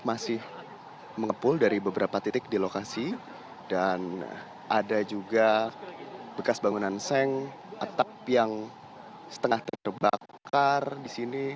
masih mengepul dari beberapa titik di lokasi dan ada juga bekas bangunan seng atap yang setengah terbakar di sini